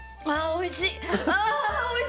おいしい！